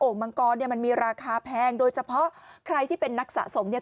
มังกรเนี่ยมันมีราคาแพงโดยเฉพาะใครที่เป็นนักสะสมเนี่ย